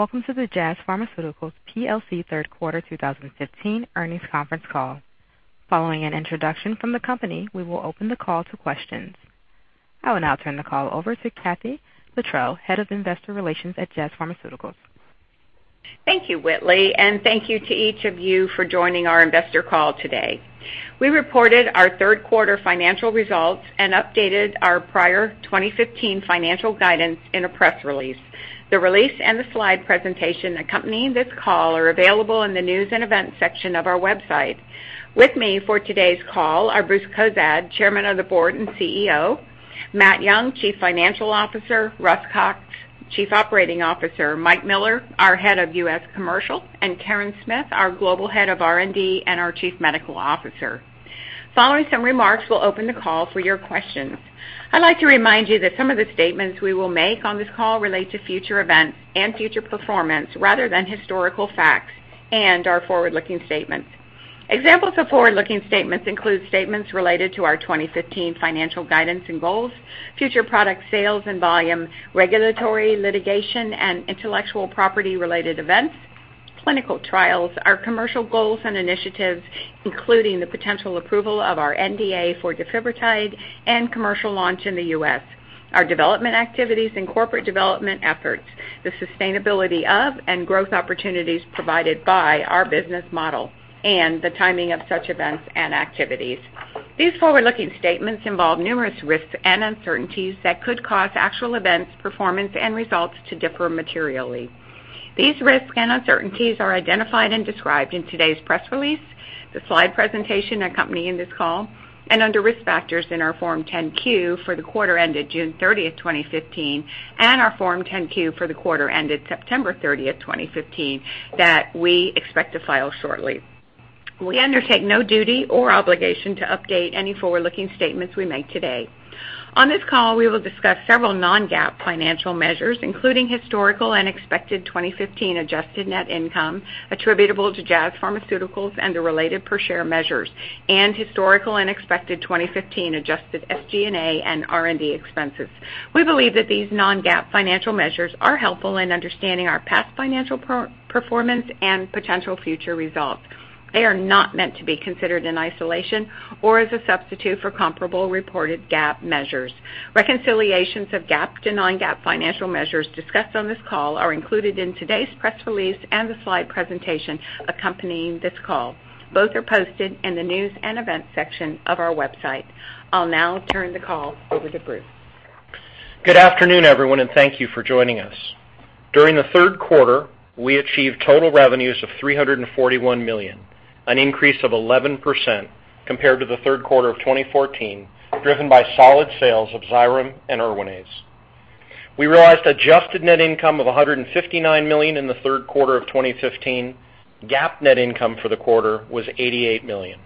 Welcome to the Jazz Pharmaceuticals plc third quarter 2015 earnings conference call. Following an introduction from the company, we will open the call to questions. I will now turn the call over to Kathee Littrell, Head of Investor Relations at Jazz Pharmaceuticals. Thank you, Whitley, and thank you to each of you for joining our investor call today. We reported our third quarter financial results and updated our prior 2015 financial guidance in a press release. The release and the slide presentation accompanying this call are available in the news and events section of our website. With me for today's call are Bruce Cozadd, Chairman of the Board and CEO, Matthew Young, Chief Financial Officer, Russell Cox, Chief Operating Officer, Michael Miller, our Head of U.S. Commercial, and Karen Smith, our Global Head of R&D and our Chief Medical Officer. Following some remarks, we'll open the call for your questions. I'd like to remind you that some of the statements we will make on this call relate to future events and future performance rather than historical facts and are forward-looking statements. Examples of forward-looking statements include statements related to our 2015 financial guidance and goals, future product sales and volume, regulatory, litigation, and intellectual property-related events, clinical trials, our commercial goals and initiatives, including the potential approval of our NDA for defibrotide and commercial launch in the U.S., our development activities and corporate development efforts, the sustainability of and growth opportunities provided by our business model, and the timing of such events and activities. These forward-looking statements involve numerous risks and uncertainties that could cause actual events, performance and results to differ materially. These risks and uncertainties are identified and described in today's press release, the slide presentation accompanying this call, and under Risk Factors in our Form 10-Q for the quarter ended June 30th, 2015, and our Form 10-Q for the quarter ended September 30th, 2015 that we expect to file shortly. We undertake no duty or obligation to update any forward-looking statements we make today. On this call, we will discuss several non-GAAP financial measures, including historical and expected 2015 adjusted net income attributable to Jazz Pharmaceuticals and the related per share measures and historical and expected 2015 adjusted SG&A and R&D expenses. We believe that these non-GAAP financial measures are helpful in understanding our past financial performance and potential future results. They are not meant to be considered in isolation or as a substitute for comparable reported GAAP measures. Reconciliations of GAAP to non-GAAP financial measures discussed on this call are included in today's press release and the slide presentation accompanying this call. Both are posted in the news and events section of our website. I'll now turn the call over to Bruce. Good afternoon, everyone, and thank you for joining us. During the third quarter, we achieved total revenues of $341 million, an increase of 11% compared to the third quarter of 2014, driven by solid sales of Xyrem and Erwinaze. We realized adjusted net income of $159 million in the third quarter of 2015. GAAP net income for the quarter was $88 million.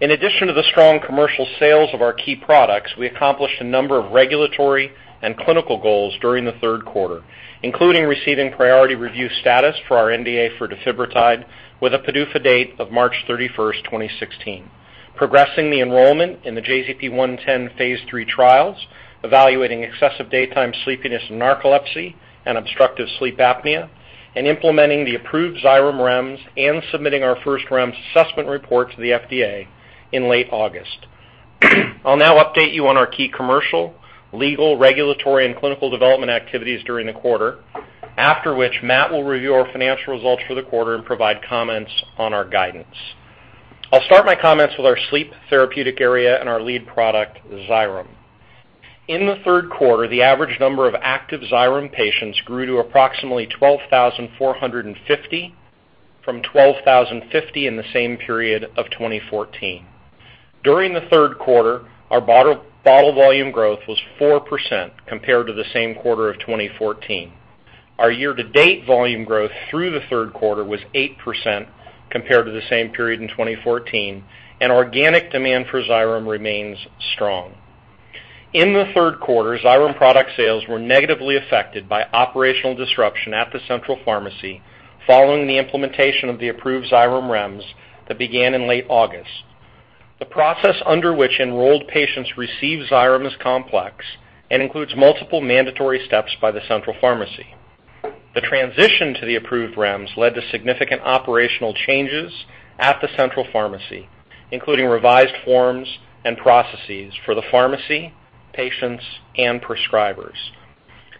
In addition to the strong commercial sales of our key products, we accomplished a number of regulatory and clinical goals during the third quarter, including receiving priority review status for our NDA for defibrotide with a PDUFA date of March 31, 2016, progressing the enrollment in the JZP-110 phase III trials, evaluating excessive daytime sleepiness in narcolepsy and obstructive sleep apnea, and implementing the approved Xyrem REMS and submitting our first REMS assessment report to the FDA in late August. I'll now update you on our key commercial, legal, regulatory and clinical development activities during the quarter, after which Matt will review our financial results for the quarter and provide comments on our guidance. I'll start my comments with our sleep therapeutic area and our lead product, Xyrem. In the third quarter, the average number of active Xyrem patients grew to approximately 12,450 from 12,050 in the same period of 2014. During the third quarter, our bottle volume growth was 4% compared to the same quarter of 2014. Our year-to-date volume growth through the third quarter was 8% compared to the same period in 2014, and organic demand for Xyrem remains strong. In the third quarter, Xyrem product sales were negatively affected by operational disruption at the central pharmacy following the implementation of the approved Xyrem REMS that began in late August. The process under which enrolled patients receive Xyrem is complex and includes multiple mandatory steps by the central pharmacy. The transition to the approved REMS led to significant operational changes at the central pharmacy, including revised forms and processes for the pharmacy, patients, and prescribers.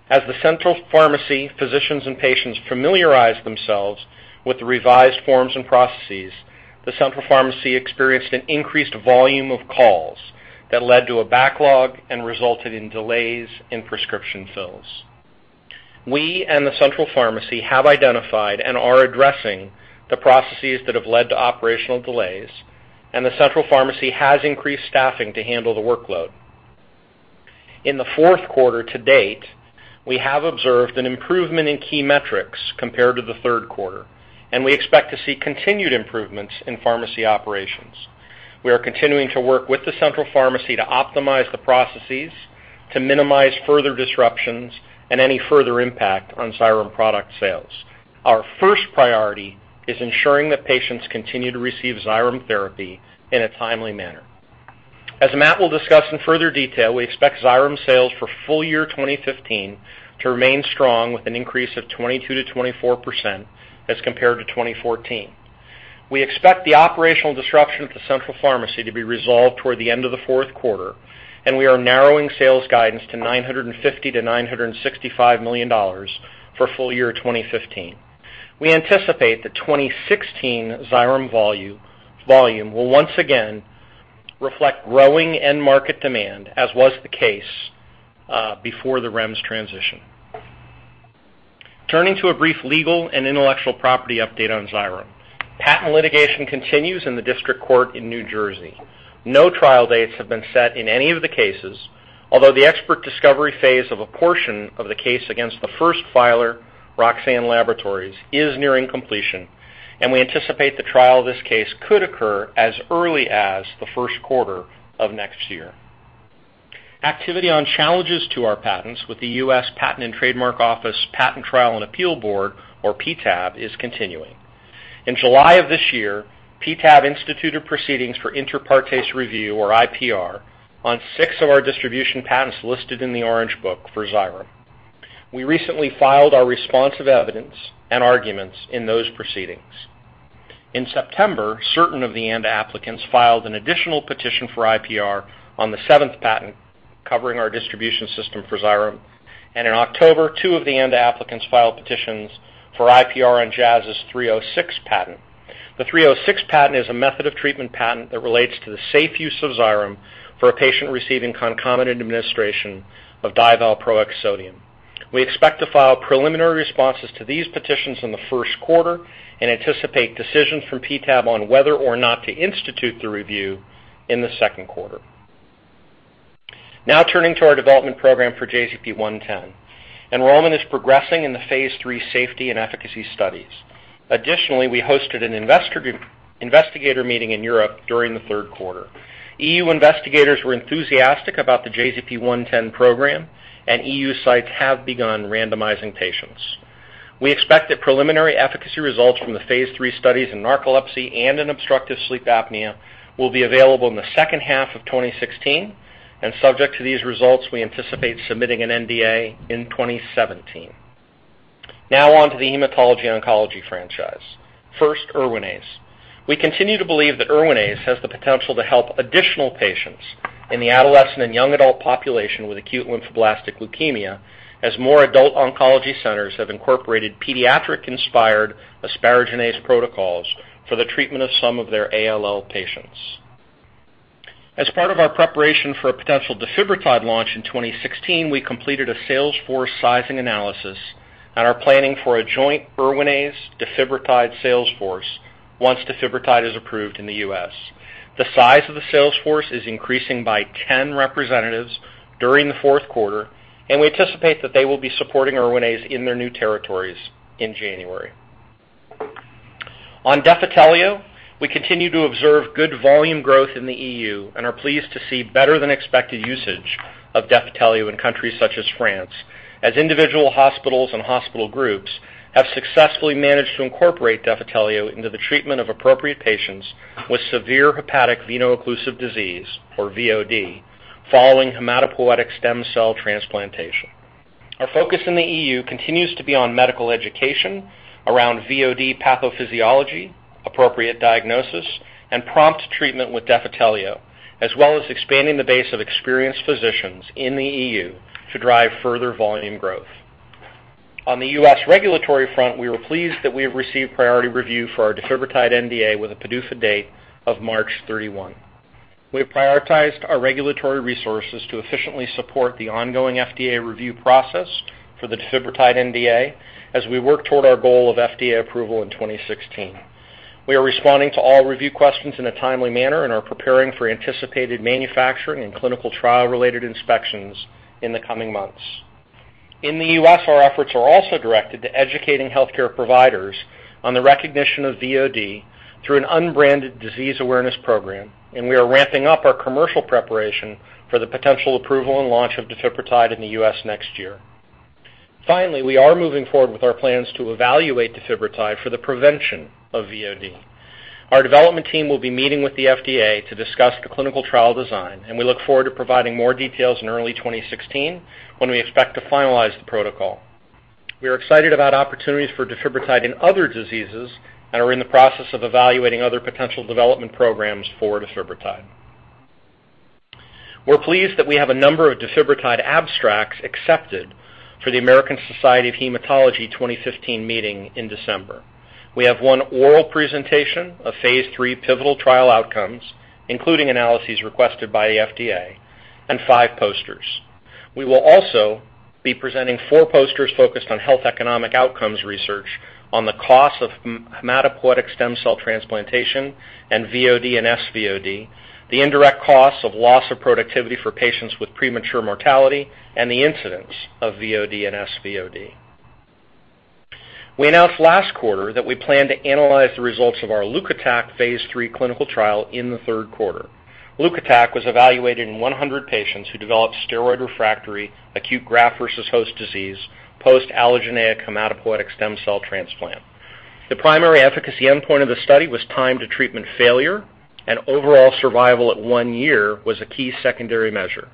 As the central pharmacy, physicians and patients familiarized themselves with the revised forms and processes, the central pharmacy experienced an increased volume of calls that led to a backlog and resulted in delays in prescription fills. We and the central pharmacy have identified and are addressing the processes that have led to operational delays, and the central pharmacy has increased staffing to handle the workload. In the fourth quarter to date, we have observed an improvement in key metrics compared to the third quarter, and we expect to see continued improvements in pharmacy operations. We are continuing to work with the central pharmacy to optimize the processes to minimize further disruptions and any further impact on Xyrem product sales. Our first priority is ensuring that patients continue to receive Xyrem therapy in a timely manner. As Matt will discuss in further detail, we expect Xyrem sales for full year 2015 to remain strong with an increase of 22%-24% as compared to 2014. We expect the operational disruption at the central pharmacy to be resolved toward the end of the fourth quarter, and we are narrowing sales guidance to $950 million-$965 million for full year 2015. We anticipate that 2016 Xyrem volume will once again reflect growing end market demand, as was the case before the REMS transition. Turning to a brief legal and intellectual property update on Xyrem. Patent litigation continues in the district court in New Jersey. No trial dates have been set in any of the cases, although the expert discovery phase of a portion of the case against the first filer, Roxane Laboratories, is nearing completion, and we anticipate the trial of this case could occur as early as the first quarter of next year. Activity on challenges to our patents with the U.S. Patent and Trademark Office Patent Trial and Appeal Board, or PTAB, is continuing. In July of this year, PTAB instituted proceedings for inter partes review, or IPR, on six of our distribution patents listed in the Orange Book for Xyrem. We recently filed our responsive evidence and arguments in those proceedings. In September, certain of the ANDA applicants filed an additional petition for IPR on the seventh patent covering our distribution system for Xyrem, and in October, two of the ANDA applicants filed petitions for IPR on Jazz's 306 patent. The 306 patent is a method of treatment patent that relates to the safe use of Xyrem for a patient receiving concomitant administration of divalproex sodium. We expect to file preliminary responses to these petitions in the first quarter and anticipate decisions from PTAB on whether or not to institute the review in the second quarter. Now turning to our development program for JZP-110. Enrollment is progressing in the phase III safety and efficacy studies. Additionally, we hosted an investor-investigator meeting in Europe during the third quarter. EU investigators were enthusiastic about the JZP-110 program, and EU sites have begun randomizing patients. We expect that preliminary efficacy results from the phase III studies in narcolepsy and in obstructive sleep apnea will be available in the second half of 2016, and subject to these results, we anticipate submitting an NDA in 2017. Now on to the hematology/oncology franchise. First, Erwinaze. We continue to believe that Erwinaze has the potential to help additional patients in the adolescent and young adult population with acute lymphoblastic leukemia as more adult oncology centers have incorporated pediatric-inspired asparaginase protocols for the treatment of some of their ALL patients. As part of our preparation for a potential defibrotide launch in 2016, we completed a sales force sizing analysis and are planning for a joint Erwinaze/defibrotide sales force once defibrotide is approved in the U.S. The size of the sales force is increasing by 10 representatives during the fourth quarter, and we anticipate that they will be supporting Erwinaze in their new territories in January. On Defitelio, we continue to observe good volume growth in the EU and are pleased to see better than expected usage of Defitelio in countries such as France, as individual hospitals and hospital groups have successfully managed to incorporate Defitelio into the treatment of appropriate patients with severe hepatic veno-occlusive disease, or VOD, following hematopoietic stem cell transplantation. Our focus in the EU continues to be on medical education around VOD pathophysiology, appropriate diagnosis, and prompt treatment with Defitelio, as well as expanding the base of experienced physicians in the EU to drive further volume growth. On the U.S. regulatory front, we were pleased that we have received priority review for our defibrotide NDA with a PDUFA date of March 31. We have prioritized our regulatory resources to efficiently support the ongoing FDA review process for the defibrotide NDA as we work toward our goal of FDA approval in 2016. We are responding to all review questions in a timely manner and are preparing for anticipated manufacturing and clinical trial-related inspections in the coming month.s. In the U.S., our efforts are also directed to educating healthcare providers on the recognition of VOD through an unbranded disease awareness program, and we are ramping up our commercial preparation for the potential approval and launch of defibrotide in the U.S. Next year. Finally, we are moving forward with our plans to evaluate defibrotide for the prevention of VOD. Our development team will be meeting with the FDA to discuss the clinical trial design, and we look forward to providing more details in early 2016 when we expect to finalize the protocol. We are excited about opportunities for defibrotide in other diseases and are in the process of evaluating other potential development programs for defibrotide. We're pleased that we have a number of defibrotide abstracts accepted for the American Society of Hematology 2015 meeting in December. We have one oral presentation of phase III pivotal trial outcomes, including analyses requested by the FDA, and five posters. We will also be presenting four posters focused on health economic outcomes research on the costs of hematopoietic stem cell transplantation and VOD and SVOD, the indirect costs of loss of productivity for patients with premature mortality, and the incidence of VOD and SVOD. We announced last quarter that we plan to analyze the results of our Leukotac phase III clinical trial in the third quarter. Leukotac was evaluated in 100 patients who developed steroid-refractory acute graft-versus-host disease post-allogeneic hematopoietic stem cell transplant. The primary efficacy endpoint of the study was time to treatment failure, and overall survival at one year was a key secondary measure.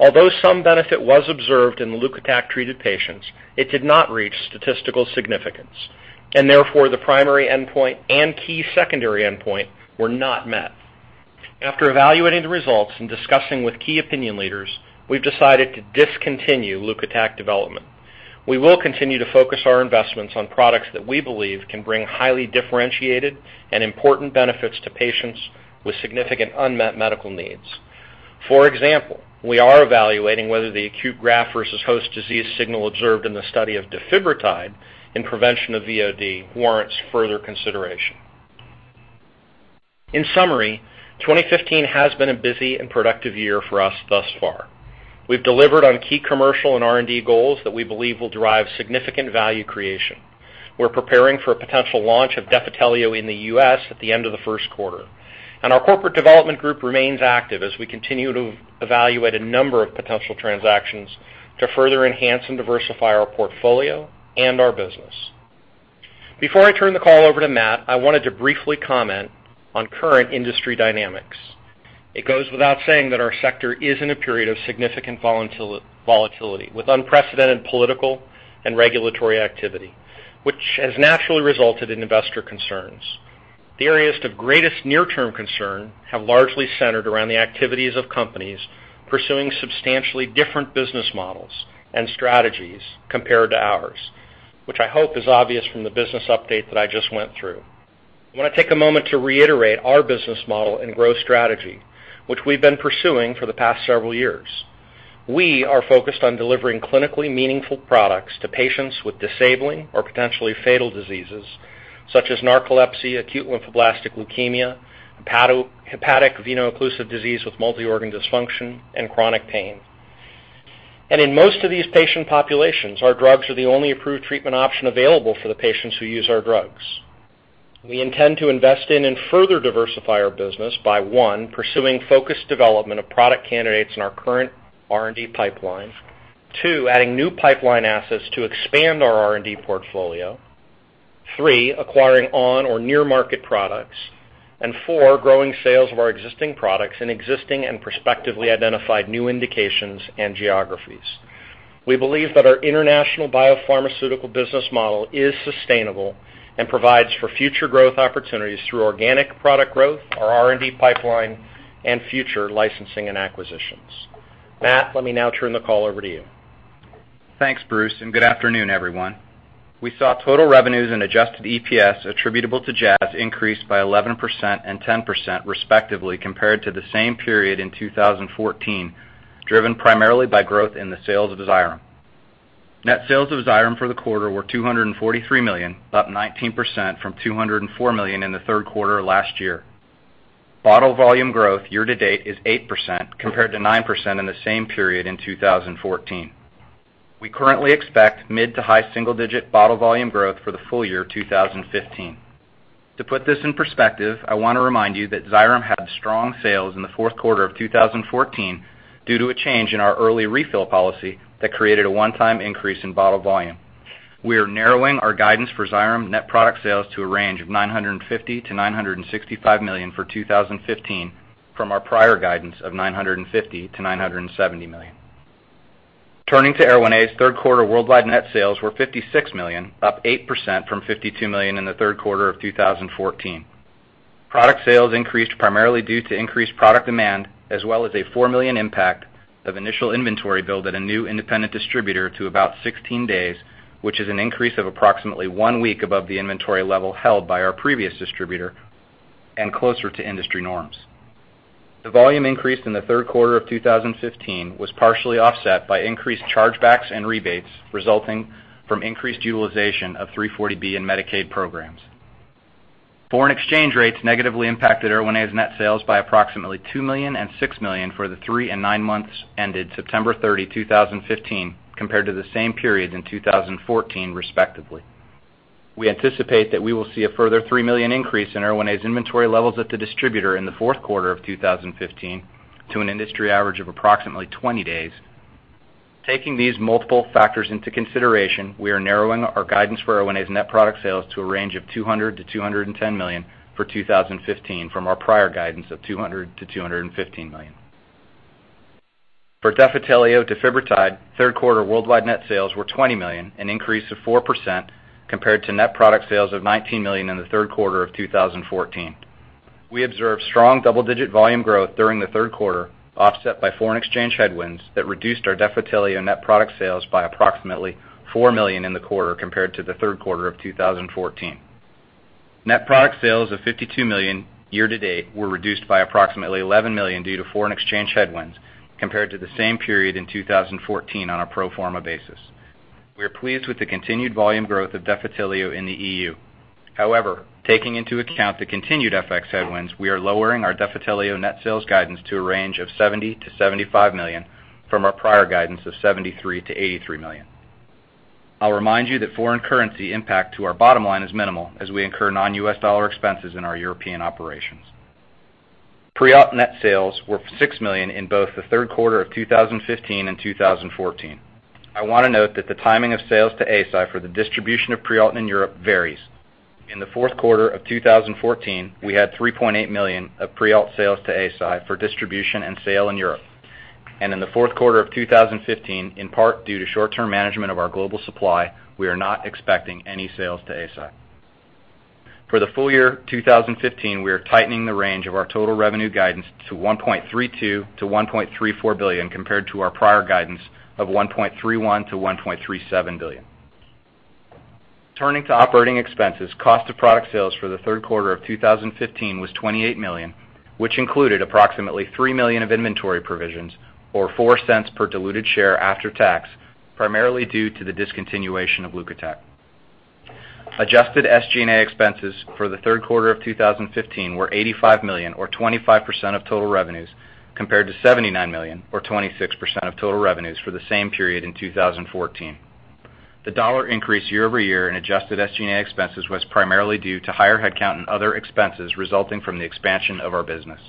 Although some benefit was observed in the Leukotac-treated patients, it did not reach statistical significance, and therefore, the primary endpoint and key secondary endpoint were not met. After evaluating the results and discussing with key opinion leaders, we've decided to discontinue Leukotac development. We will continue to focus our investments on products that we believe can bring highly differentiated and important benefits to patients with significant unmet medical needs. For example, we are evaluating whether the acute graft-versus-host disease signal observed in the study of defibrotide in prevention of VOD warrants further consideration. In summary, 2015 has been a busy and productive year for us thus far. We've delivered on key commercial and R&D goals that we believe will drive significant value creation. We're preparing for a potential launch of Defitelio in the U.S. at the end of the first quarter. Our corporate development group remains active as we continue to evaluate a number of potential transactions to further enhance and diversify our portfolio and our business. Before I turn the call over to Matt, I wanted to briefly comment on current industry dynamics. It goes without saying that our sector is in a period of significant volatility, with unprecedented political and regulatory activity, which has naturally resulted in investor concerns. The areas of greatest near-term concern have largely centered around the activities of companies pursuing substantially different business models and strategies compared to ours, which I hope is obvious from the business update that I just went through. I want to take a moment to reiterate our business model and growth strategy, which we've been pursuing for the past several years. We are focused on delivering clinically meaningful products to patients with disabling or potentially fatal diseases, such as narcolepsy, acute lymphoblastic leukemia, hepatic veno-occlusive disease with multi-organ dysfunction, and chronic pain. In most of these patient populations, our drugs are the only approved treatment option available for the patients who use our drugs. We intend to invest in and further diversify our business by, one, pursuing focused development of product candidates in our current R&D pipeline, two, adding new pipeline assets to expand our R&D portfolio, three, acquiring on or near-market products, and four, growing sales of our existing products in existing and prospectively identified new indications and geographies. We believe that our international biopharmaceutical business model is sustainable and provides for future growth opportunities through organic product growth, our R&D pipeline, and future licensing and acquisitions. Matt, let me now turn the call over to you. Thanks, Bruce, and good afternoon, everyone. We saw total revenues and adjusted EPS attributable to Jazz increase by 11% and 10% respectively compared to the same period in 2014, driven primarily by growth in the sales of Xyrem. Net sales of Xyrem for the quarter were $243 million, up 19% from $204 million in the third quarter of last year. Bottle volume growth year to date is 8% compared to 9% in the same period in 2014. We currently expect mid to high single-digit bottle volume growth for the full year 2015. To put this in perspective, I want to remind you that Xyrem had strong sales in the fourth quarter of 2014 due to a change in our early refill policy that created a one-time increase in bottle volume. We are narrowing our guidance for Xyrem net product sales to a range of $950 million-$965 million for 2015 from our prior guidance of $950 million-$970 million. Turning to Erwinaze, third quarter worldwide net sales were $56 million, up 8% from $52 million in the third quarter of 2014. Product sales increased primarily due to increased product demand as well as a $4 million impact of initial inventory build at a new independent distributor to about 16 days, which is an increase of approximately one week above the inventory level held by our previous distributor and closer to industry norms. The volume increase in the third quarter of 2015 was partially offset by increased chargebacks and rebates resulting from increased utilization of 340B in Medicaid programs. Foreign exchange rates negatively impacted Erwinaze net sales by approximately $2 million and $6 million for the three and nine months ended September 30, 2015, compared to the same period in 2014, respectively. We anticipate that we will see a further $3 million increase in Erwinaze inventory levels at the distributor in the fourth quarter of 2015 to an industry average of approximately 20 days. Taking these multiple factors into consideration, we are narrowing our guidance for Erwinaze net product sales to a range of $200 million-$210 million for 2015 from our prior guidance of $200 million-$215 million. For Defitelio defibrotide, third quarter worldwide net sales were $20 million, an increase of 4% compared to net product sales of $19 million in the third quarter of 2014. We observed strong double-digit volume growth during the third quarter, offset by foreign exchange headwinds that reduced our Defitelio net product sales by approximately $4 million in the quarter compared to the third quarter of 2014. Net product sales of $52 million year to date were reduced by approximately $11 million due to foreign exchange headwinds compared to the same period in 2014 on a pro forma basis. We are pleased with the continued volume growth of Defitelio in the EU. However, taking into account the continued FX headwinds, we are lowering our Defitelio net sales guidance to a range of $70-$75 million from our prior guidance of $73-$83 million. I'll remind you that foreign currency impact to our bottom line is minimal as we incur non-U.S. dollar expenses in our European operations. Prialt net sales were $6 million in both the third quarter of 2015 and 2014. I wanna note that the timing of sales to Eisai for the distribution of Prialt in Europe varies. In the fourth quarter of 2014, we had $3.8 million of Prialt sales to Eisai for distribution and sale in Europe. In the fourth quarter of 2015, in part due to short-term management of our global supply, we are not expecting any sales to Eisai. For the full year 2015, we are tightening the range of our total revenue guidance to $1.32 billion-$1.34 billion, compared to our prior guidance of $1.31 billion-$1.37 billion. Turning to operating expenses, cost of product sales for the third quarter of 2015 was $28 million, which included approximately $3 million of inventory provisions, or $0.04 per diluted share after tax, primarily due to the discontinuation of Erwinaze. Adjusted SG&A expenses for the third quarter of 2015 were $85 million or 25% of total revenues, compared to $79 million or 26% of total revenues for the same period in 2014. The dollar increase year-over-year in adjusted SG&A expenses was primarily due to higher headcount and other expenses resulting from the expansion of our business.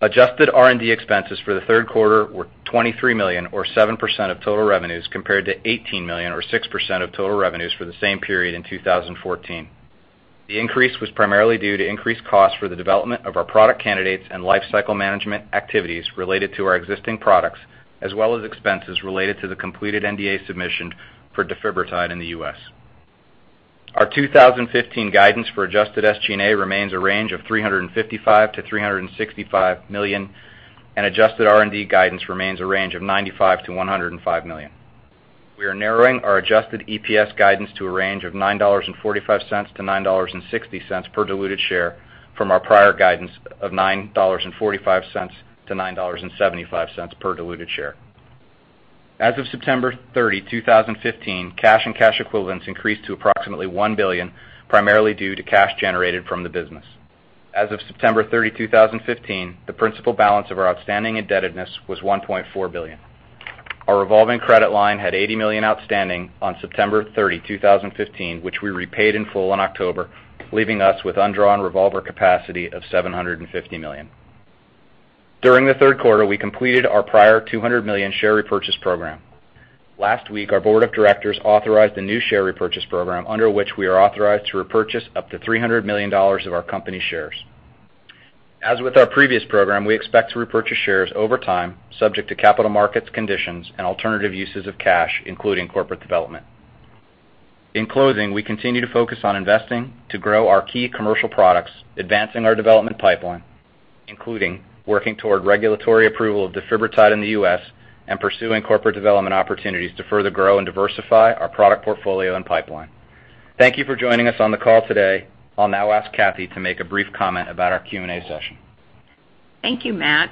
Adjusted R&D expenses for the third quarter were $23 million or 7% of total revenues, compared to $18 million or 6% of total revenues for the same period in 2014. The increase was primarily due to increased costs for the development of our product candidates and life cycle management activities related to our existing products, as well as expenses related to the completed NDA submission for Defibrotide in the U.S. Our 2015 guidance for adjusted SG&A remains a range of $355 million-$365 million, and adjusted R&D guidance remains a range of $95 million-$105 million. We are narrowing our adjusted EPS guidance to a range of $9.45-$9.60 per diluted share from our prior guidance of $9.45-$9.75 per diluted share. As of September 30, 2015, cash and cash equivalents increased to approximately $1 billion, primarily due to cash generated from the business. As of September 30, 2015, the principal balance of our outstanding indebtedness was $1.4 billion. Our revolving credit line had $80 million outstanding on September 30, 2015, which we repaid in full in October, leaving us with undrawn revolver capacity of $750 million. During the third quarter, we completed our prior $200 million share repurchase program. Last week, our board of directors authorized a new share repurchase program under which we are authorized to repurchase up to $300 million of our company shares. As with our previous program, we expect to repurchase shares over time, subject to capital markets conditions and alternative uses of cash, including corporate development. In closing, we continue to focus on investing to grow our key commercial products, advancing our development pipeline, including working toward regulatory approval of defibrotide in the U.S., and pursuing corporate development opportunities to further grow and diversify our product portfolio and pipeline. Thank you for joining us on the call today. I'll now ask Kathee to make a brief comment about our Q&A session. Thank you, Matt.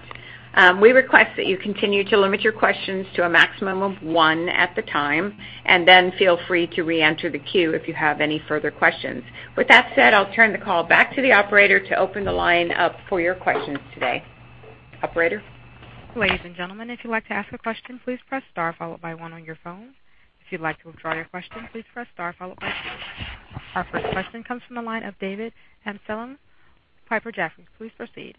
We request that you continue to limit your questions to a maximum of one at a time, and then feel free to reenter the queue if you have any further questions. With that said, I'll turn the call back to the operator to open the line up for your questions today. Operator? Ladies and gentlemen, if you'd like to ask a question, please press star followed by one on your phone. If you'd like to withdraw your question, please press star followed by two. Our first question comes from the line of David Amsellem, Piper Jaffray. Please proceed.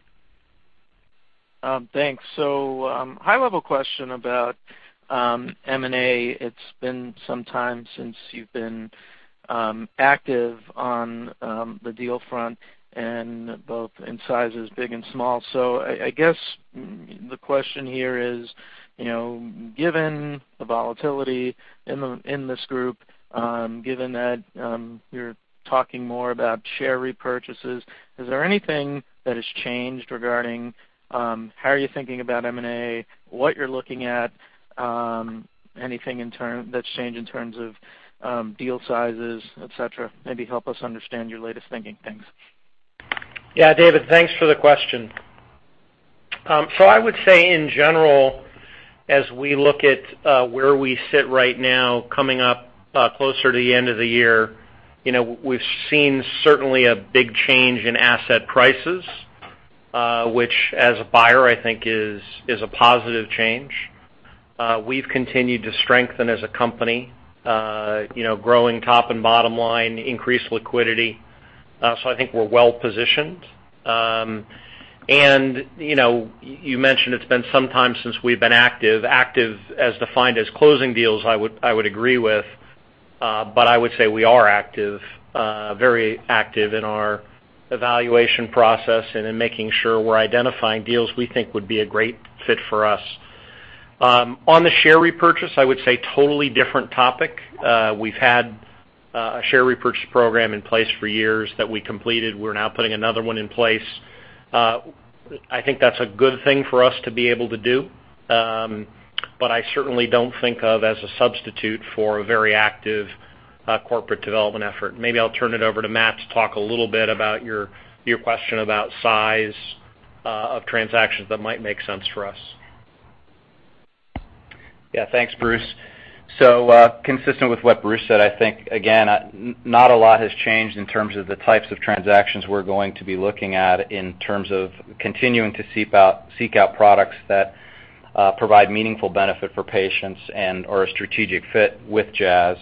Thanks. High-level question about M&A. It's been some time since you've been active on the deal front and both in sizes big and small. I guess the question here is, you know, given the volatility in this group, given that you're talking more about share repurchases, is there anything that has changed regarding how are you thinking about M&A, what you're looking at, anything that's changed in terms of deal sizes, et cetera? Maybe help us understand your latest thinking, thanks. Yeah, David, thanks for the question. I would say in general, as we look at where we sit right now coming up closer to the end of the year, you know, we've seen certainly a big change in asset prices, which as a buyer, I think is a positive change. We've continued to strengthen as a company, you know, growing top and bottom line, increase liquidity. I think we're well-positioned. You know, you mentioned it's been some time since we've been active. Active as defined as closing deals, I would agree with, but I would say we are active, very active in our evaluation process and in making sure we're identifying deals we think would be a great fit for us. On the share repurchase, I would say totally different topic. We've had a share repurchase program in place for years that we completed. We're now putting another one in place. I think that's a good thing for us to be able to do, but I certainly don't think of as a substitute for a very active corporate development effort. Maybe I'll turn it over to Matt to talk a little bit about your question about size of transactions that might make sense for us. Yeah. Thanks, Bruce. So, consistent with what Bruce said, I think, again, not a lot has changed in terms of the types of transactions we're going to be looking at in terms of continuing to seek out products that Provide meaningful benefit for patients and or a strategic fit with Jazz,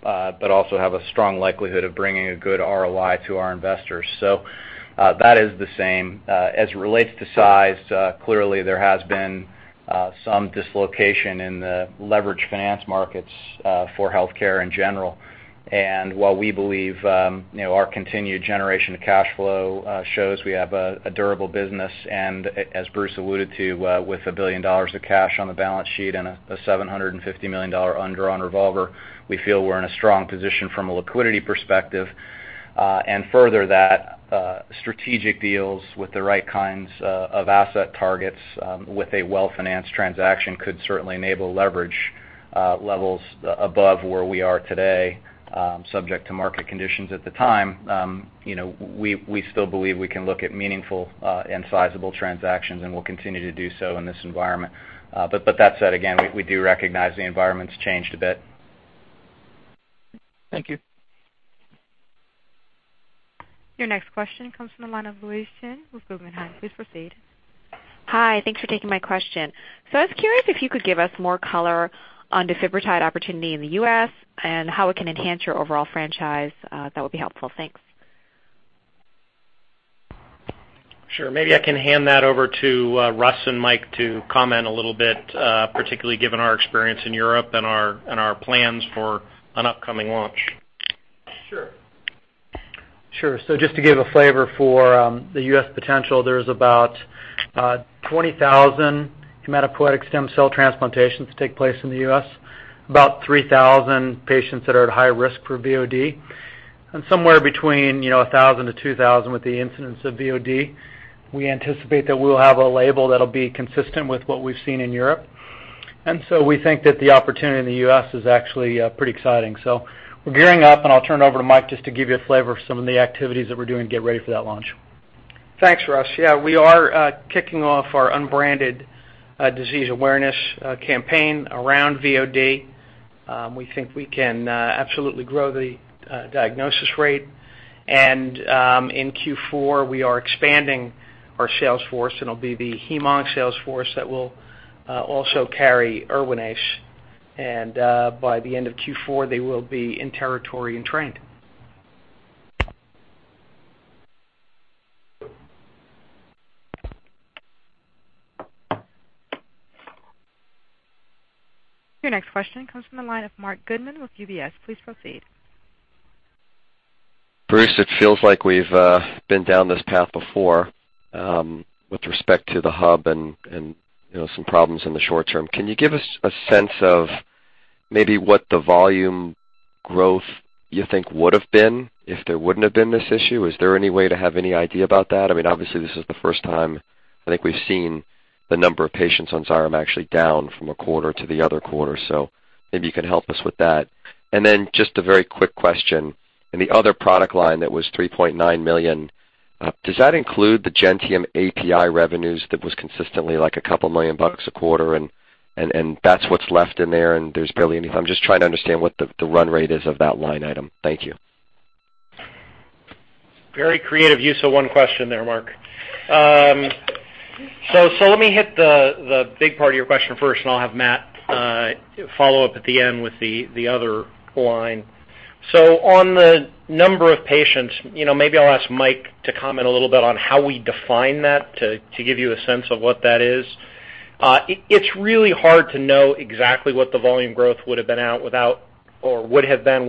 but also have a strong likelihood of bringing a good ROI to our investors. That is the same. As it relates to size, clearly there has been some dislocation in the leveraged finance markets for healthcare in general. While we believe, you know, our continued generation of cash flow shows we have a durable business, and as Bruce alluded to, with $1 billion of cash on the balance sheet and a $750 million undrawn revolver, we feel we're in a strong position from a liquidity perspective. Further, that strategic deals with the right kinds of asset targets with a well-financed transaction could certainly enable leverage levels above where we are today, subject to market conditions at the time. You know, we still believe we can look at meaningful and sizable transactions, and we'll continue to do so in this environment. That said, again, we do recognize the environment's changed a bit. Thank you. Your next question comes from the line of Louise Chen with Guggenheim. Please proceed. Hi. Thanks for taking my question. I was curious if you could give us more color on defibrotide opportunity in the U.S. and how it can enhance your overall franchise. That would be helpful. Thanks. Sure. Maybe I can hand that over to Russ and Mike to comment a little bit, particularly given our experience in Europe and our plans for an upcoming launch. Sure. Sure. Just to give a flavor for the U.S. potential, there's about 20,000 hematopoietic stem cell transplantations that take place in the U.S. About 3,000 patients that are at high risk for VOD, and somewhere between, you know, 1,000-2,000 with the incidence of VOD. We anticipate that we'll have a label that'll be consistent with what we've seen in Europe. We think that the opportunity in the U.S. is actually pretty exciting. We're gearing up, and I'll turn it over to Mike just to give you a flavor of some of the activities that we're doing to get ready for that launch. Thanks, Russ. Yeah, we are kicking off our unbranded disease awareness campaign around VOD. We think we can absolutely grow the diagnosis rate. In Q4, we are expanding our sales force, and it'll be the hem-on sales force that will also carry Erwinaze. By the end of Q4, they will be in territory and trained. Your next question comes from the line of Marc Goodman with UBS. Please proceed. Bruce, it feels like we've been down this path before with respect to the hub and you know some problems in the short term. Can you give us a sense of maybe what the volume growth you think would have been if there wouldn't have been this issue? Is there any way to have any idea about that? I mean, obviously, this is the first time I think we've seen the number of patients on Xyrem actually down from a quarter to the other quarter. So maybe you can help us with that. Then just a very quick question. In the other product line, that was $3.9 million, does that include the Gentium API revenues that was consistently like a couple million bucks a quarter and that's what's left in there, and there's barely any. I'm just trying to understand what the run rate is of that line item. Thank you. Very creative use of one question there, Marc. Let me hit the big part of your question first, and I'll have Matthew follow up at the end with the other line. On the number of patients, you know, maybe I'll ask Michael to comment a little bit on how we define that to give you a sense of what that is. It's really hard to know exactly what the volume growth would have been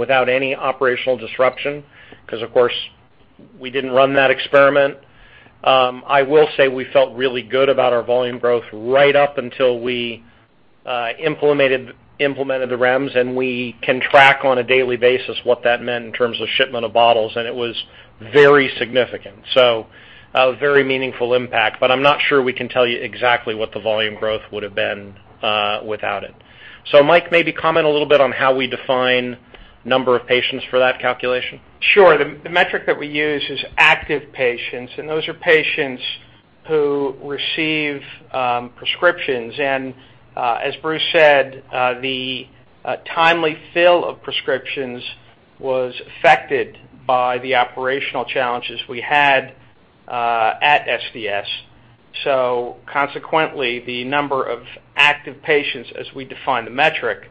without any operational disruption because of course we didn't run that experiment. I will say we felt really good about our volume growth right up until we implemented the REMS, and we can track on a daily basis what that meant in terms of shipment of bottles, and it was very significant. A very meaningful impact, but I'm not sure we can tell you exactly what the volume growth would have been, without it. Mike, maybe comment a little bit on how we define number of patients for that calculation. Sure. The metric that we use is active patients, and those are patients who receive prescriptions. As Bruce said, the timely fill of prescriptions was affected by the operational challenges we had at SVS. Consequently, the number of active patients as we define the metric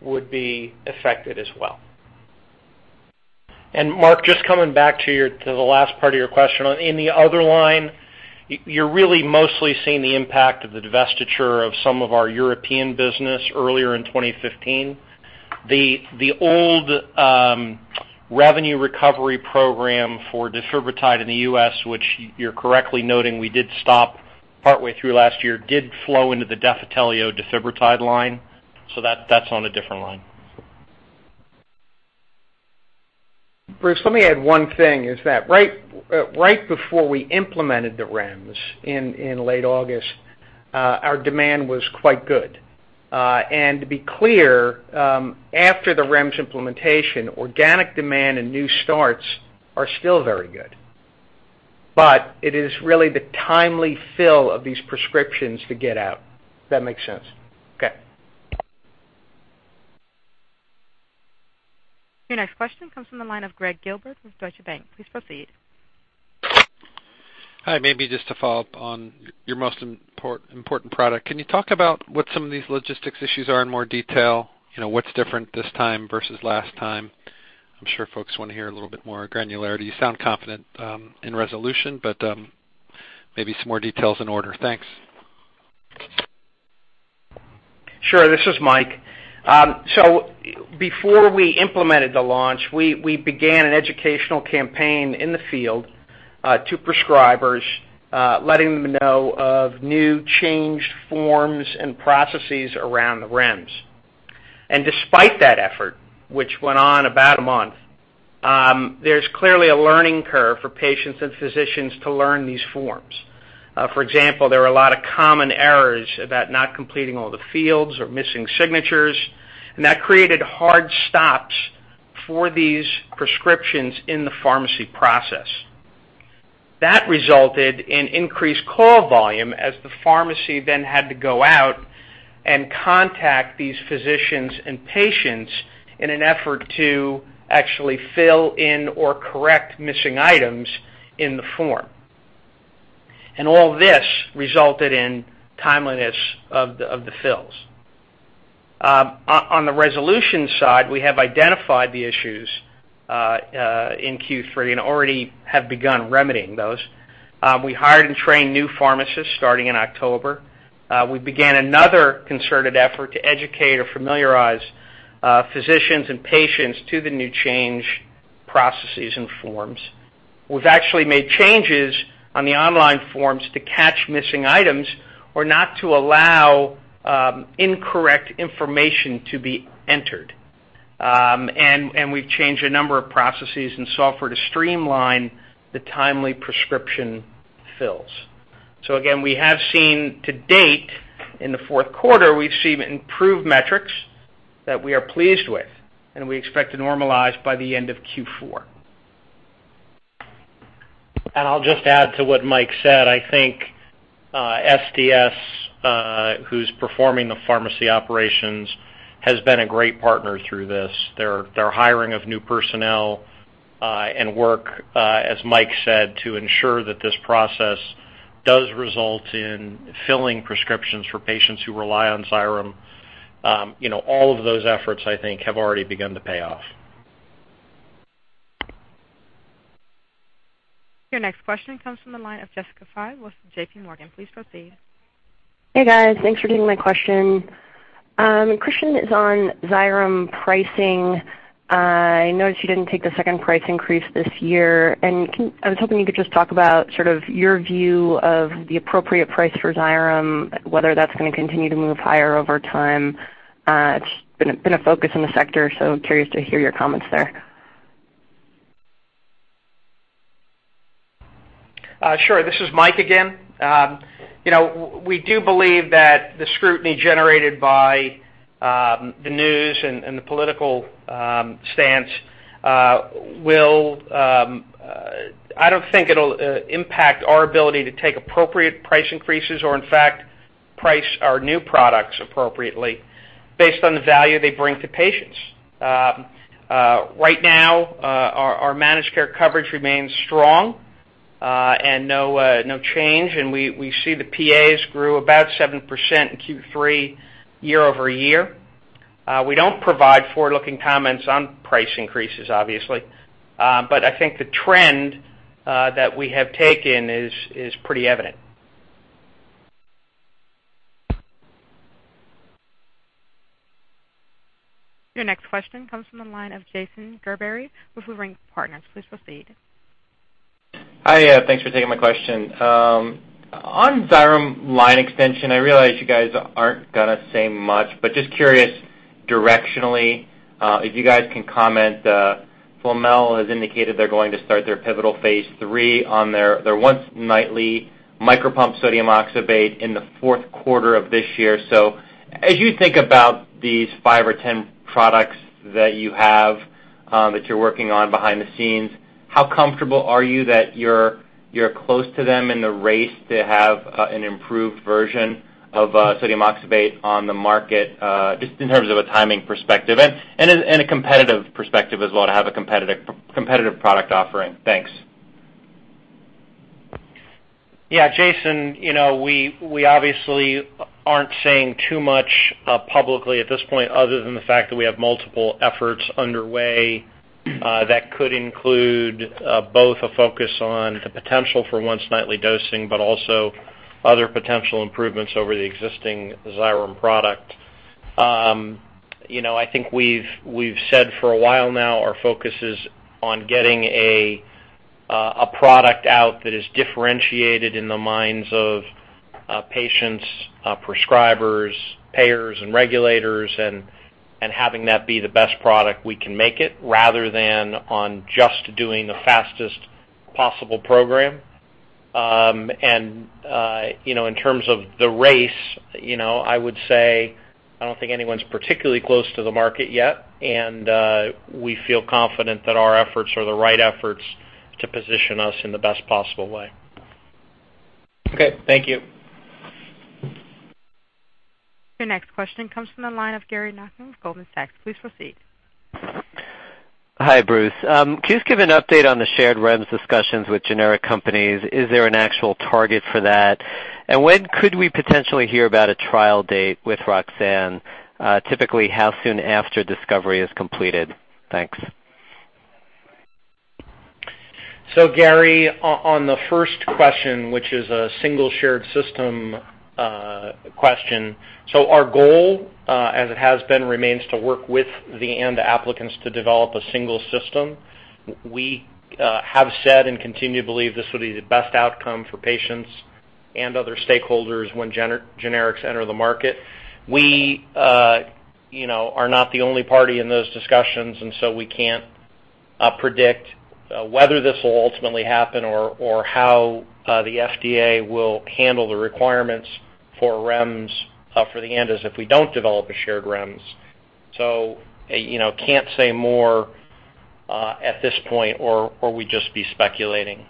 would be affected as well. Marc, just coming back to your, to the last part of your question. On any other line, you're really mostly seeing the impact of the divestiture of some of our European business earlier in 2015. The old revenue recovery program for defibrotide in the U.S., which you're correctly noting we did stop partway through last year, did flow into the Defitelio defibrotide line, so that's on a different line. Bruce, let me add one thing, is that right before we implemented the REMS in late August, our demand was quite good. To be clear, after the REMS implementation, organic demand and new starts are still very good. It is really the timely fill of these prescriptions to get out, if that makes sense. Okay. Your next question comes from the line of Gregg Gilbert with Deutsche Bank. Please proceed. Hi. Maybe just to follow up on your most important product, can you talk about what some of these logistics issues are in more detail? You know, what's different this time versus last time? I'm sure folks wanna hear a little bit more granularity. You sound confident in resolution, but maybe some more details in order. Thanks. Sure. This is Mike. Before we implemented the launch, we began an educational campaign in the field to prescribers, letting them know of new changed forms and processes around the REMS. Despite that effort, which went on about a month, there's clearly a learning curve for patients and physicians to learn these forms. For example, there are a lot of common errors about not completing all the fields or missing signatures, and that created hard stops for these prescriptions in the pharmacy process. That resulted in increased call volume as the pharmacy then had to go out and contact these physicians and patients in an effort to actually fill in or correct missing items in the form. All this resulted in timeliness of the fills. On the resolution side, we have identified the issues in Q3 and already have begun remedying those. We hired and trained new pharmacists starting in October. We began another concerted effort to educate or familiarize physicians and patients to the new change processes and forms. We've actually made changes on the online forms to catch missing items or not to allow incorrect information to be entered. We've changed a number of processes and software to streamline the timely prescription fills. Again, we have seen to date, in the fourth quarter, we've seen improved metrics that we are pleased with, and we expect to normalize by the end of Q4. I'll just add to what Mike said. I think, SDS, who's performing the pharmacy operations, has been a great partner through this. Their hiring of new personnel, and work, as Mike said, to ensure that this process does result in filling prescriptions for patients who rely on Xyrem. You know, all of those efforts, I think, have already begun to pay off. Your next question comes from the line of Jessica Fye with J.P. Morgan. Please proceed. Hey, guys. Thanks for taking my question. Question is on Xyrem pricing. I noticed you didn't take the second price increase this year. I was hoping you could just talk about sort of your view of the appropriate price for Xyrem, whether that's gonna continue to move higher over time. It's been a focus in the sector, so I'm curious to hear your comments there. Sure. This is Mike again. You know, we do believe that the scrutiny generated by the news and the political stance will. I don't think it'll impact our ability to take appropriate price increases or in fact price our new products appropriately based on the value they bring to patients. Right now, our managed care coverage remains strong, and no change, and we see the PAs grew about 7% in Q3 year-over-year. We don't provide forward-looking comments on price increases, obviously, but I think the trend that we have taken is pretty evident. Your next question comes from the line of Jason Gerberry with Leerink Partners. Please proceed. Hi. Thanks for taking my question. On Xyrem line extension, I realize you guys aren't gonna say much, but just curious directionally, if you guys can comment, Flamel has indicated they're going to start their pivotal phase III on their once nightly micropump sodium oxybate in the fourth quarter of this year. As you think about these five or 10 products that you have, that you're working on behind the scenes, how comfortable are you that you're close to them in the race to have an improved version of sodium oxybate on the market, just in terms of a timing perspective and a competitive perspective as well to have a competitive product offering? Thanks. Yeah, Jason, you know, we obviously aren't saying too much publicly at this point other than the fact that we have multiple efforts underway that could include both a focus on the potential for once nightly dosing but also other potential improvements over the existing Xyrem product. You know, I think we've said for a while now our focus is on getting a product out that is differentiated in the minds of patients, prescribers, payers, and regulators and having that be the best product we can make it rather than on just doing the fastest possible program. You know, in terms of the race, you know, I don't think anyone's particularly close to the market yet, and we feel confident that our efforts are the right efforts to position us in the best possible way. Okay. Thank you. Your next question comes from the line of Gary Nachman with Goldman Sachs. Please proceed. Hi, Bruce. Can you give an update on the shared REMS discussions with generic companies? Is there an actual target for that? When could we potentially hear about a trial date with Roxane? Typically, how soon after discovery is completed? Thanks. Gary, on the first question, which is a single shared system question, our goal, as it has been, remains to work with the ANDA applicants to develop a single system. We have said and continue to believe this will be the best outcome for patients and other stakeholders when generics enter the market. We, you know, are not the only party in those discussions, and so we can't predict whether this will ultimately happen or how the FDA will handle the requirements for REMS for the ANDAs if we don't develop a shared REMS. You know, can't say more at this point, or we'd just be speculating.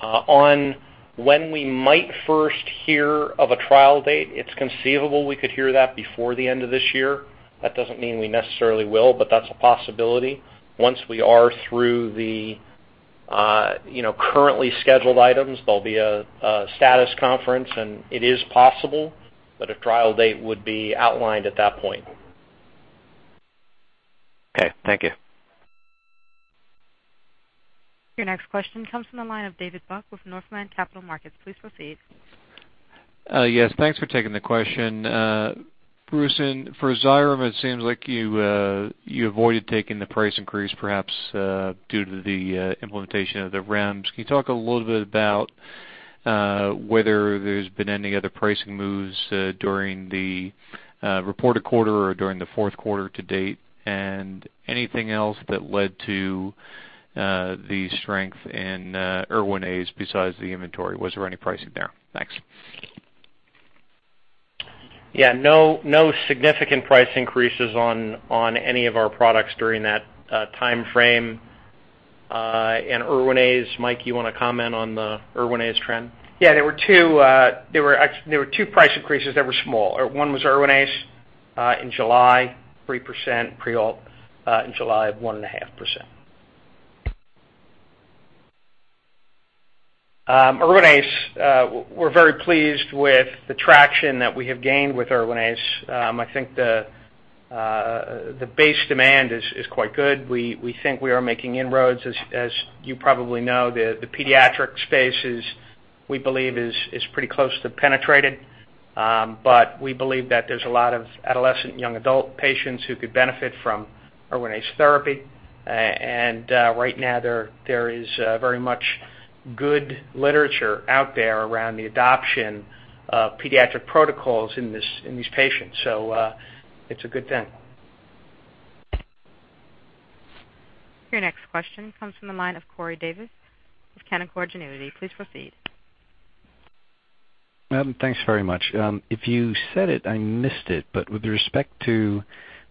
On when we might first hear of a trial date, it's conceivable we could hear that before the end of this year. That doesn't mean we necessarily will, but that's a possibility. Once we are through the you know, currently scheduled items, there'll be a status conference, and it is possible that a trial date would be outlined at that point. Okay. Thank you. Your next question comes from the line of David Buck with Northland Capital Markets. Please proceed. Yes, thanks for taking the question. Bruce, for Xyrem, it seems like you avoided taking the price increase, perhaps due to the implementation of the REMS. Can you talk a little bit about whether there's been any other pricing moves during the reported quarter or during the fourth quarter to date? Anything else that led to the strength in Erwinaze besides the inventory? Was there any pricing there? Thanks. Yeah, no significant price increases on any of our products during that timeframe. Erwinaze, Mike, you wanna comment on the Erwinaze trend? Yeah, there were two price increases that were small. One was Erwinaze in July, 3%; Prialt in July of 1.5%. Erwinaze, we're very pleased with the traction that we have gained with Erwinaze. I think the base demand is quite good. We think we are making inroads. As you probably know, the pediatric space, we believe, is pretty close to penetrated. But we believe that there's a lot of adolescent young adult patients who could benefit from Erwinaze therapy. Right now, there is very much good literature out there around the adoption of pediatric protocols in these patients. It's a good thing. Your next question comes from the line of Corey Davis with Canaccord Genuity. Please proceed. Thanks very much. If you said it, I missed it, but with respect to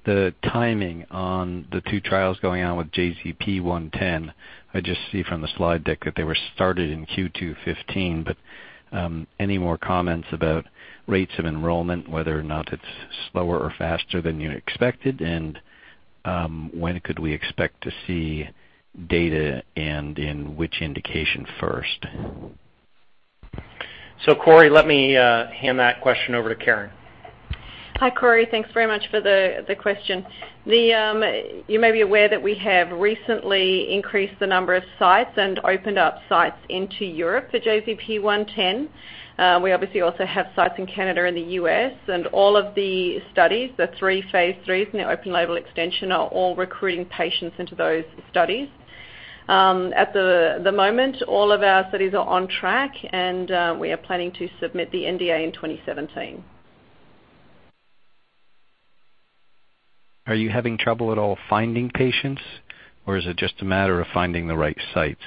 the timing on the two trials going on with JZP-110, I just see from the slide deck that they were started in Q2 2015, but any more comments about rates of enrollment, whether or not it's slower or faster than you expected, and when could we expect to see data and in which indication first? Corey, let me hand that question over to Karen. Hi, Corey. Thanks very much for the question. You may be aware that we have recently increased the number of sites and opened up sites into Europe for JZP-110. We obviously also have sites in Canada and the U.S., and all of the studies, the three phase III and the open label extension, are all recruiting patients into those studies. At the moment, all of our studies are on track and we are planning to submit the NDA in 2017. Are you having trouble at all finding patients, or is it just a matter of finding the right sites?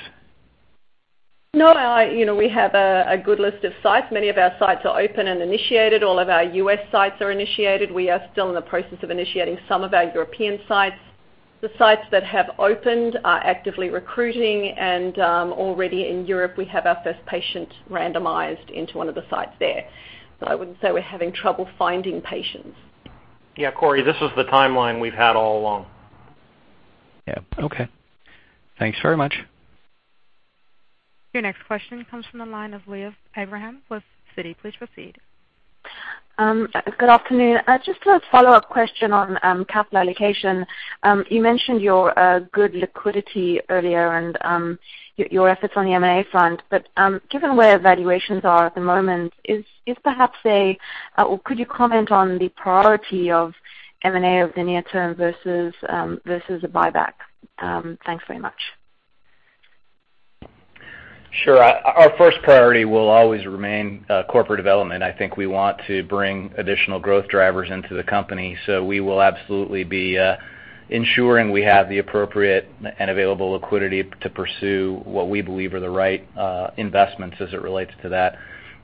No, you know, we have a good list of sites. Many of our sites are open and initiated. All of our U.S. sites are initiated. We are still in the process of initiating some of our European sites. The sites that have opened are actively recruiting, and already in Europe, we have our first patient randomized into one of the sites there. I wouldn't say we're having trouble finding patients. Yeah, Corey, this is the timeline we've had all along. Yeah. Okay. Thanks very much. Your next question comes from the line of Liav Abraham with Citi. Please proceed. Good afternoon. Just a follow-up question on capital allocation. You mentioned your good liquidity earlier and your efforts on the M&A front. Given where valuations are at the moment, could you comment on the priority of M&A over the near term versus a buyback? Thanks very much. Sure. Our first priority will always remain corporate development. I think we want to bring additional growth drivers into the company. We will absolutely be ensuring we have the appropriate and available liquidity to pursue what we believe are the right investments as it relates to that.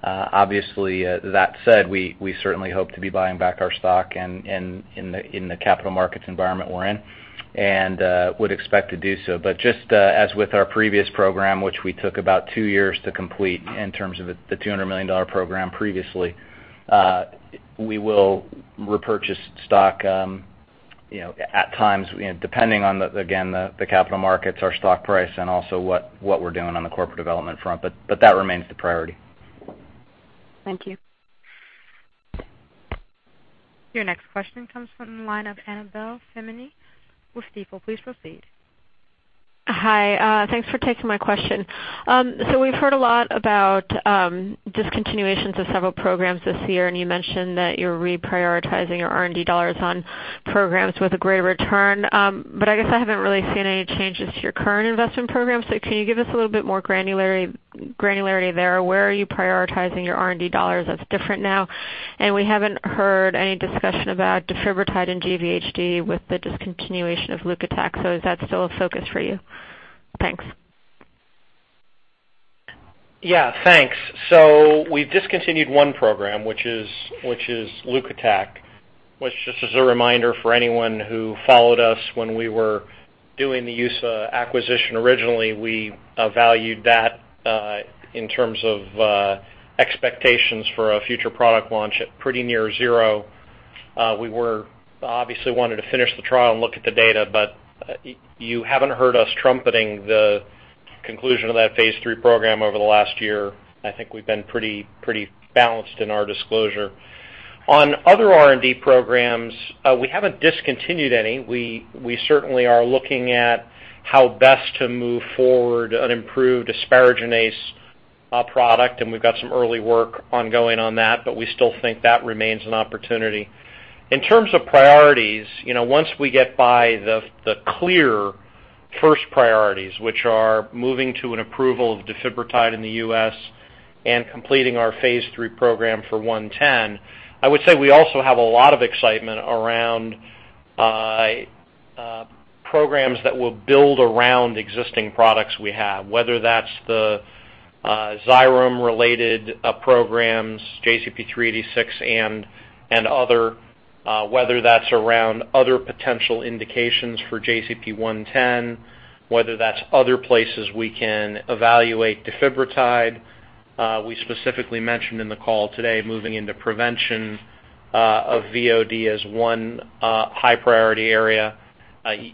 Obviously, that said, we certainly hope to be buying back our stock and in the capital markets environment we're in, and would expect to do so. Just as with our previous program, which we took about two years to complete in terms of the $200 million program previously, we will repurchase stock. You know, at times, you know, depending on the, again, the capital markets, our stock price, and also what we're doing on the corporate development front, but that remains the priority. Thank you. Your next question comes from the line of Annabel Samimy with Stifel. Please proceed. Hi, thanks for taking my question. We've heard a lot about discontinuations of several programs this year, and you mentioned that you're reprioritizing your R&D dollars on programs with a greater return. I guess I haven't really seen any changes to your current investment program. Can you give us a little bit more granularity there? Where are you prioritizing your R&D dollars that's different now? We haven't heard any discussion about defibrotide and GVHD with the discontinuation of Leukotac. Is that still a focus for you? Thanks. Yeah, thanks. We've discontinued one program, which is Leukotac, which just as a reminder for anyone who followed us when we were doing the Gentium acquisition originally, we valued that in terms of expectations for a future product launch at pretty near zero. We were obviously wanted to finish the trial and look at the data, but you haven't heard us trumpeting the conclusion of that phase III program over the last year. I think we've been pretty balanced in our disclosure. On other R&D programs, we haven't discontinued any. We certainly are looking at how best to move forward an improved asparaginase product, and we've got some early work ongoing on that, but we still think that remains an opportunity. In terms of priorities, you know, once we get by the clear first priorities, which are moving to an approval of defibrotide in the U.S. and completing our phase III program for JZP-110, I would say we also have a lot of excitement around programs that will build around existing products we have, whether that's the Xyrem-related programs, JZP-386 and other, whether that's around other potential indications for JZP-110, whether that's other places we can evaluate defibrotide. We specifically mentioned in the call today moving into prevention of VOD as one high priority area.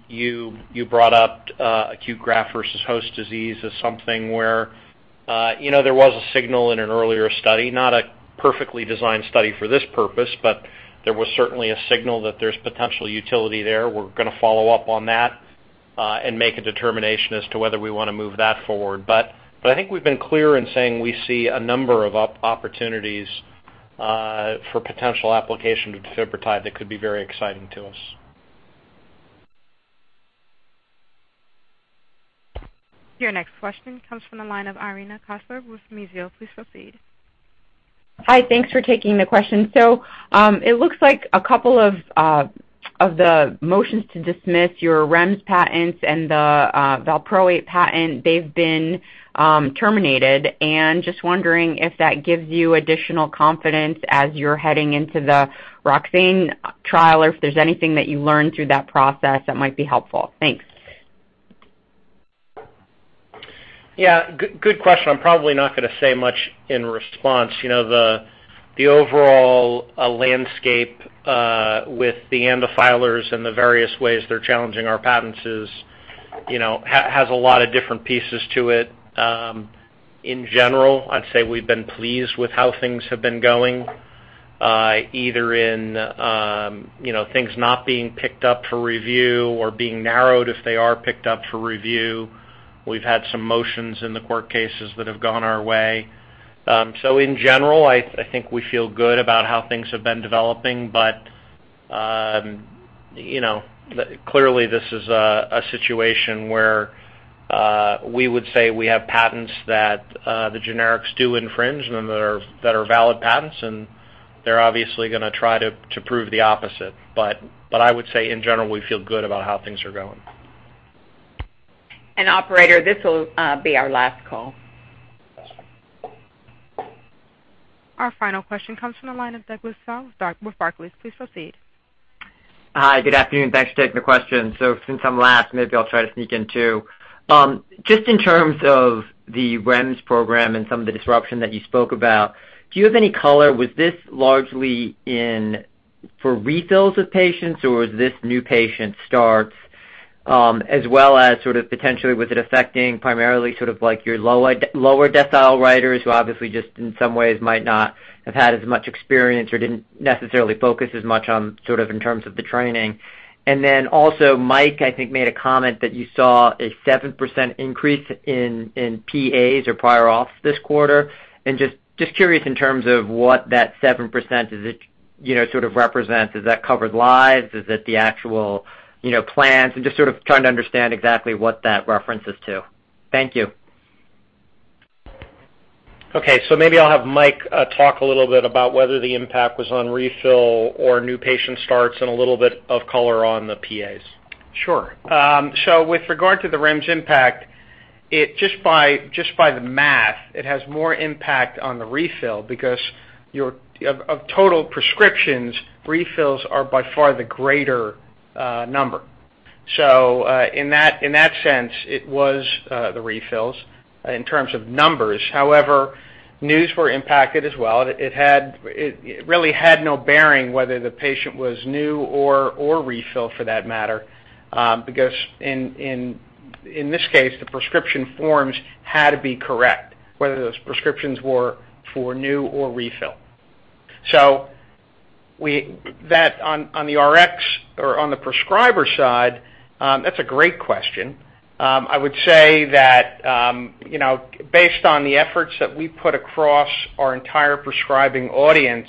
You brought up acute graft-versus-host disease as something where, you know, there was a signal in an earlier study, not a perfectly designed study for this purpose, but there was certainly a signal that there's potential utility there. We're gonna follow up on that and make a determination as to whether we wanna move that forward. I think we've been clear in saying we see a number of opportunities for potential application to defibrotide that could be very exciting to us. Your next question comes from the line of Irina Koffler with Mizuho. Please proceed. Hi. Thanks for taking the question. It looks like a couple of the motions to dismiss your REMS patents and the Valproate patent, they've been terminated. Just wondering if that gives you additional confidence as you're heading into the Roxane trial, or if there's anything that you learned through that process that might be helpful. Thanks. Yeah, good question. I'm probably not gonna say much in response. You know, the overall landscape with the ANDA filers and the various ways they're challenging our patents is, you know, has a lot of different pieces to it. In general, I'd say we've been pleased with how things have been going, either in, you know, things not being picked up for review or being narrowed if they are picked up for review. We've had some motions in the court cases that have gone our way. In general, I think we feel good about how things have been developing. you know, clearly this is a situation where we would say we have patents that the generics do infringe and that are valid patents, and they're obviously gonna try to prove the opposite. I would say, in general, we feel good about how things are going. Operator, this will be our last call. Our final question comes from the line of Douglas Tsao with Barclays. Please proceed. Hi. Good afternoon. Thanks for taking the question. Since I'm last, maybe I'll try to sneak in two. Just in terms of the REMS program and some of the disruption that you spoke about, do you have any color? Was this largely in for refills of patients, or was this new patient starts? As well as sort of potentially, was it affecting primarily sort of like your lower decile writers who obviously just in some ways might not have had as much experience or didn't necessarily focus as much on sort of in terms of the training? Mike, I think, made a comment that you saw a 7% increase in PAs or prior auths this quarter. Just curious in terms of what that 7%, is it, you know, sort of represents. Is that covered lives? Is it the actual, you know, plans? Just sort of trying to understand exactly what that reference is to. Thank you. Okay. Maybe I'll have Mike talk a little bit about whether the impact was on refill or new patient starts and a little bit of color on the PAs. Sure. With regard to the REMS impact, just by the math, it has more impact on the refill because of total prescriptions, refills are by far the greater number. In that sense, it was the refills in terms of numbers. However, new were impacted as well. It really had no bearing whether the patient was new or refill for that matter, because in this case, the prescription forms had to be correct, whether those prescriptions were for new or refill. That on the RX or on the prescriber side, that's a great question. I would say that, you know, based on the efforts that we put across our entire prescribing audience,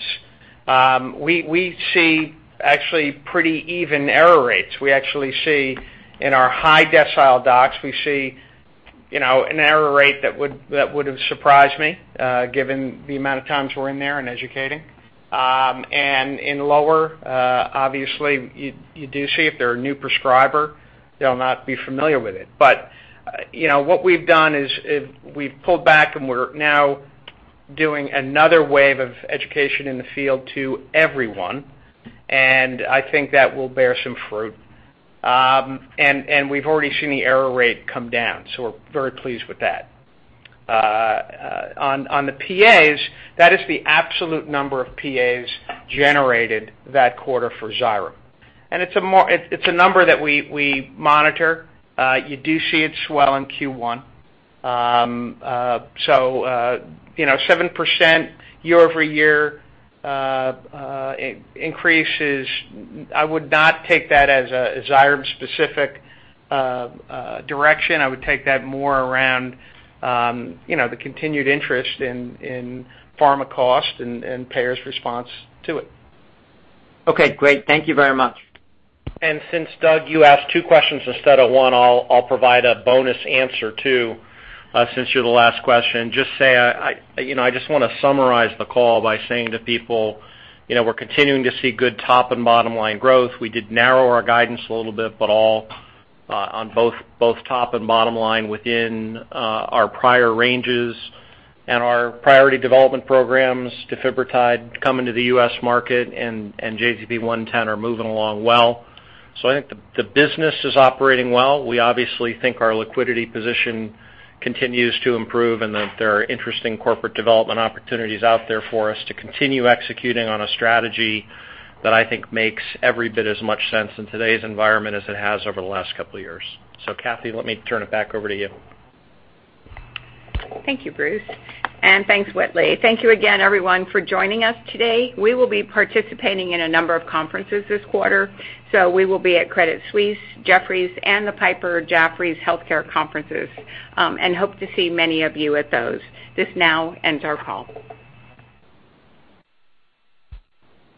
we see actually pretty even error rates. We actually see in our high decile docs, we see, you know, an error rate that would have surprised me, given the amount of times we're in there and educating. In lower, obviously, you do see if they're a new prescriber, they'll not be familiar with it. You know, what we've done is we've pulled back and we're now doing another wave of education in the field to everyone, and I think that will bear some fruit. We've already seen the error rate come down, so we're very pleased with that. On the PAs, that is the absolute number of PAs generated that quarter for Xyrem. It's a number that we monitor. You do see it swell in Q1. You know, 7% year-over-year increases. I would not take that as Xyrem-specific direction. I would take that more around you know, the continued interest in pharma cost and payers' response to it. Okay, great. Thank you very much. Since, Doug, you asked two questions instead of one, I'll provide a bonus answer, too, since you're the last question. Just say I you know I just wanna summarize the call by saying to people, you know, we're continuing to see good top and bottom line growth. We did narrow our guidance a little bit, but all on both top and bottom line within our prior ranges and our priority development programs, Defitelio coming to the U.S. market and JZP-110 are moving along well. I think the business is operating well. We obviously think our liquidity position continues to improve and that there are interesting corporate development opportunities out there for us to continue executing on a strategy that I think makes every bit as much sense in today's environment as it has over the last couple of years. Kathee, let me turn it back over to you. Thank you, Bruce, and thanks, Whitley. Thank you again, everyone, for joining us today. We will be participating in a number of conferences this quarter, so we will be at Credit Suisse, Jefferies, and the Piper Jaffray healthcare conferences, and hope to see many of you at those. This now ends our call.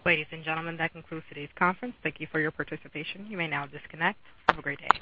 Ladies and gentlemen, that concludes today's conference. Thank you for your participation. You may now disconnect. Have a great day.